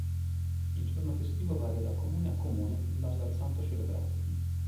Il giorno festivo varia da comune a comune, in base al santo celebrato.